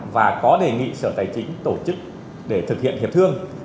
và có đề nghị sở tài chính tổ chức để thực hiện hiệp thương